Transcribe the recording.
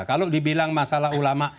kalau dibilang masalah ulama